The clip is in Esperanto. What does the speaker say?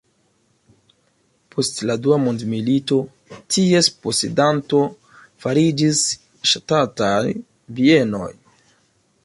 Post la dua mondmilito ties posedanto fariĝis Ŝtataj bienoj.